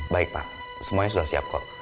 baik pak semuanya sudah siap kok